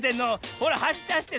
ほらはしってはしって。